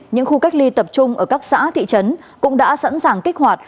những khu cách ly tập trung ở các xã thị trấn cũng đã sẵn sàng kích hoạt